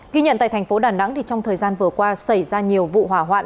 ghi nhận tại thành phố đà nẵng trong thời gian vừa qua xảy ra nhiều vụ hỏa hoạn